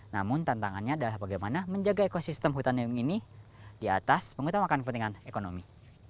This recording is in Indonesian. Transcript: namun tantangannya adalah bagaimana menjaga ekosistem hutan lindung ini di atas mengutamakan kepentingan ekonomi